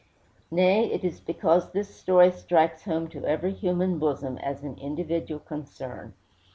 Nay, it is because this story strikes home to every human bosom as an individual concern.